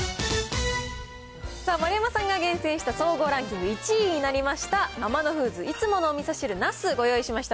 さあ、丸山さんが厳選した総合ランキング１位になりました、アマノフーズいつものおみそ汁なすご用意しました。